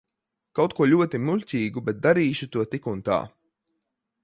Kaut ko ļoti muļķīgu, bet darīšu to tik un tā.